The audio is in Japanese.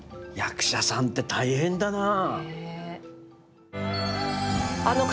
役者さんって大変だなあ。